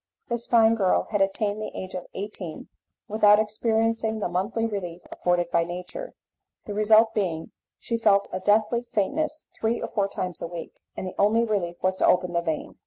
This fine girl had attained the age of eighteen years without experiencing the monthly relief afforded by nature, the result being that she felt a deathly faintness three or four times a week, and the only relief was to open the vein.